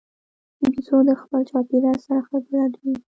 بیزو د خپل چاپېریال سره ښه بلد وي.